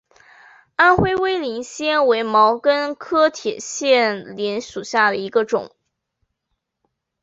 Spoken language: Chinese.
安徽威灵仙为毛茛科铁线莲属下的一个种。